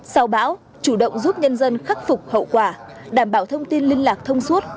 sau bão chủ động giúp nhân dân khắc phục hậu quả đảm bảo thông tin liên lạc thông suốt